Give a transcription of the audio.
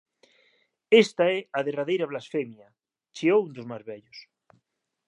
Esta é a derradeira blasfemia,” chiou un dos máis vellos.